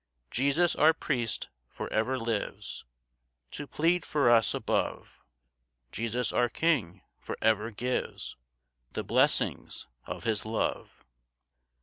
5 Jesus our priest for ever lives To plead for us above; Jesus our king for ever gives The blessings of his love.